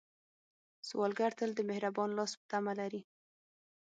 سوالګر تل د مهربان لاس تمه لري